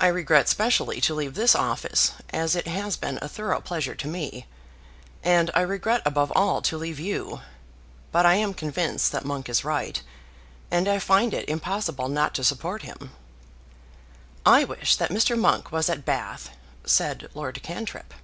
I regret specially to leave this office, as it has been a thorough pleasure to me; and I regret, above all, to leave you. But I am convinced that Monk is right, and I find it impossible not to support him." "I wish that Mr. Monk was at Bath," said Lord Cantrip.